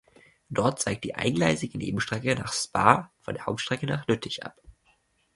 Dort zweigt die eingleisige Nebenstrecke nach Spa von der Hauptstrecke nach Lüttich ab.